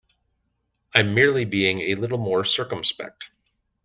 I'm merely being a little more circumspect.